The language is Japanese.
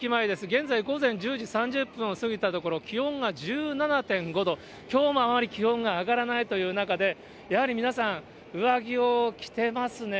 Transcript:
現在、午前１０時３０分を過ぎたところ、気温が１７．５度、きょうもあまり気温が上がらないという中で、やはり皆さん、上着を着てますね。